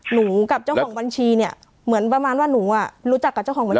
กับเจ้าของบัญชีเนี่ยเหมือนประมาณว่าหนูอ่ะรู้จักกับเจ้าของบัญชี